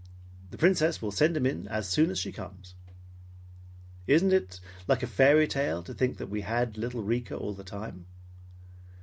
The Princess will send him in as soon as she comes. Isn't it like a fairy tale to think that we had little Rika all the time?"